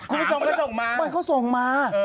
คุณผู้ชมเขาส่งมา